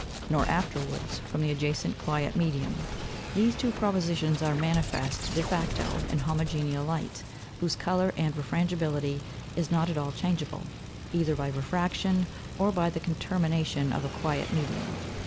Nor afterwards from the adjacent quiet Medium: These two Propositions are manifest de Facto in Homogeneal Light, whose Colour and Refrangibility is not at all changeable, either by Refraction, or by the Contermination of a quiet Medium.